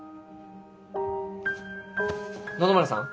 野々村さん？